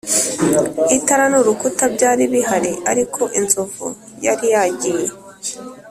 itara n'urukuta byari bihari, ariko inzovu yari yagiye!